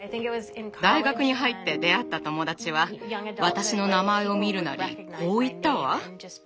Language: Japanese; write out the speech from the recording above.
大学に入って出会った友達は私の名前を見るなりこう言ったわ。